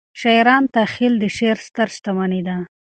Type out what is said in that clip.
شاعرانه تخیل د شعر ستره شتمنۍ ده.